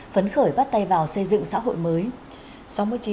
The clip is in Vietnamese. phấn khởi bắt tay vào xây dựng xã hội mới